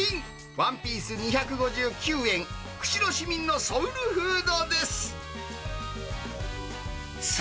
１ピース２５９円、釧路市民のソウルフードです。